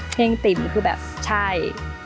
เพลงติ๋มคือแบบใช่